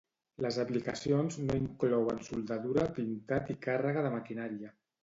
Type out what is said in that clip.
Les aplicacions no inclouen soldadura, pintat i càrrega de maquinària.